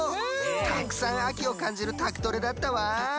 たくさん秋をかんじる宅トレだったわ。